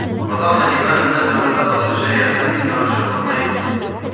رضعنا لبان الندى والإبا سجايا حملن جنى طيبا